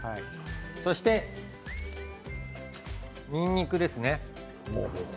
そしてにんにくですね。